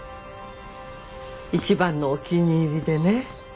一番のお気に入りでね。